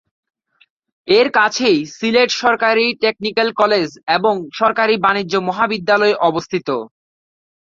এর কাছেই সিলেট সরকারি টেকনিক্যাল কলেজ এবং সরকারি বাণিজ্য মহাবিদ্যালয় অবস্থিত।